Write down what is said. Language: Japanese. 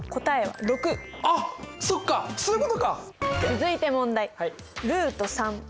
続いて問題。